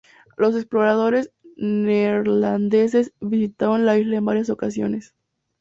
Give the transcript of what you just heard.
Los exploradores neerlandeses visitaron la isla en varias ocasiones.